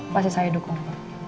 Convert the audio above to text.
pasti saya dukung